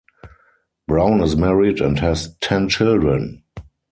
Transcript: Brown is married and has ten children.